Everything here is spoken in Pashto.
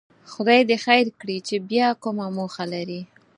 خدای دې خیر کړي چې بیا کومه موخه لري.